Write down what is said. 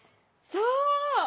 そう！